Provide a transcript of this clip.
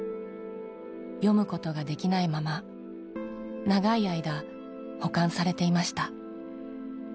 読むことができないまま長い間保管されていました。